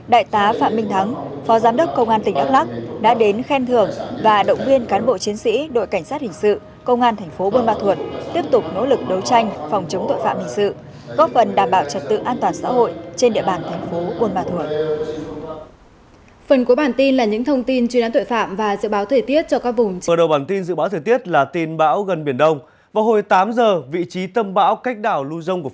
đại tá phạm minh thắng phó giám đốc công an tỉnh đắk lắc đã đến khen thưởng và động viên cán bộ chiến sĩ đội cảnh sát hình sự công an tp bumathua tiếp tục nỗ lực đấu tranh phòng chống tội phạm hình sự góp phần đảm bảo trật tự an toàn xã hội trên địa bàn tp bumathua